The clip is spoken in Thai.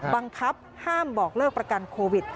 บังคับห้ามบอกเลิกประกันโควิด